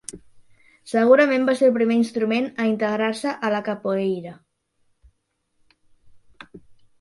Segurament va ser el primer instrument a integrar-se a la capoeira.